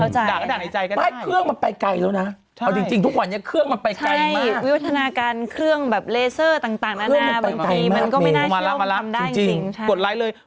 ถ้าฉับบ้าตอนนี้เขาทำให้ฟรีด้วย